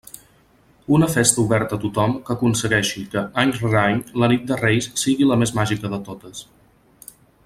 Una festa oberta a tothom que aconsegueix que, any rere any, la nit de Reis sigui la més màgica de totes.